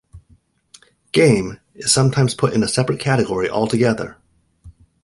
Game is sometimes put in a separate category altogether.